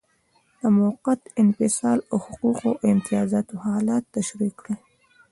د موقت انفصال او حقوقو او امتیازاتو حالت تشریح کړئ.